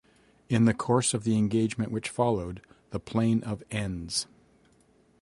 In the course of the engagement which followed the plane of Ens.